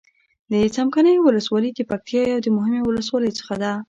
د څمکنيو ولسوالي د پکتيا يو د مهمو ولسواليو څخه ده.